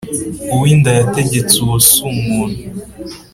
uwo inda yategetse uwo si umuntu